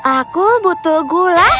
aku butuh gula